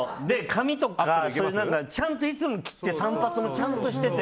髪とか、ちゃんといつも切って散髪もちゃんとしてて。